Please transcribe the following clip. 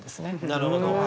なるほど。